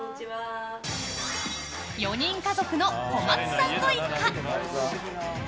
４人家族の小松さんご一家。